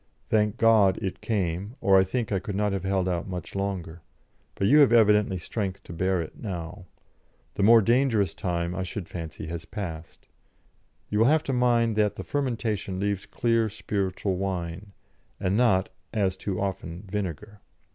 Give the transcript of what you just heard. Thank God it came, or I think I could not have held out much longer. But you have evidently strength to bear it now. The more dangerous time, I should fancy, has passed. You will have to mind that the fermentation leaves clear spiritual wine, and not (as too often) vinegar.